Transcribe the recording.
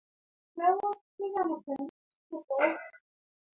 کندهار امیر عبدالرحمن خان ته سپارل سوی وو.